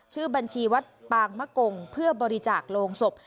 ชื่อบัญชีวัดปางมะกงเพื่อบริจาคโรงศพ